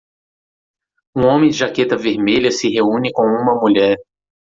Um homem de jaqueta vermelha se reúne com uma mulher.